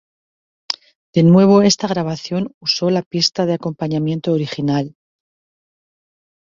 De nuevo esta grabación usó la pista de acompañamiento original.